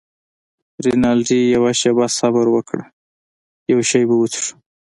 رینالډي: یوه شیبه صبر وکړه، یو شی به وڅښو.